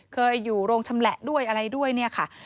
เคยอยู่โรงชำแหละด้วยอะไรด้วยเนี่ยค่ะ